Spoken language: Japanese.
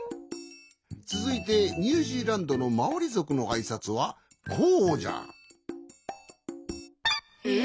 つづいてニュージーランドのマオリぞくのあいさつはこうじゃ。え？